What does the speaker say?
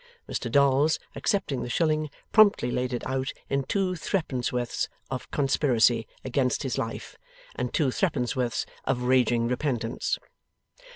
Mr Dolls, accepting the shilling, promptly laid it out in two threepennyworths of conspiracy against his life, and two threepennyworths of raging repentance.